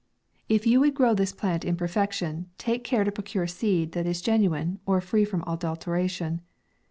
MAY. 79 It you would grow this plant in perfection, take care to procure seed that is genuine, or free from adulteration.